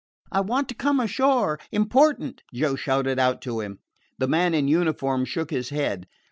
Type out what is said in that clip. "I want to come ashore! Important!" Joe shouted out to him. The man in uniform shook his head.